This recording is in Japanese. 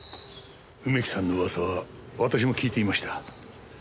梅木さんの噂は私も聞いていました。